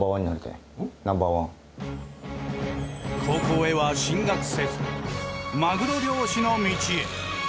高校へは進学せずマグロ漁師の道へ。